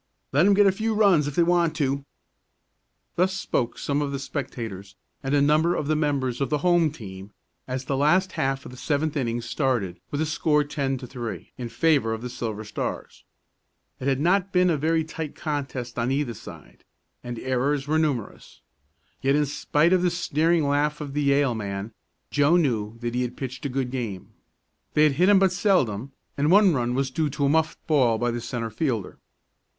"Let 'em get a few runs if they want to." Thus spoke some of the spectators, and a number of the members of the home team, as the last half of the seventh inning started with the score ten to three in favor of the Silver Stars. It had not been a very tight contest on either side, and errors were numerous. Yet, in spite of the sneering laugh of the Yale man, Joe knew that he had pitched a good game. They had hit him but seldom, and one run was due to a muffed ball by the centre fielder.